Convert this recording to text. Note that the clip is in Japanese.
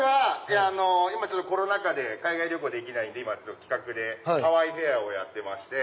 今コロナ禍で海外旅行できないんで企画でハワイフェアをやってまして。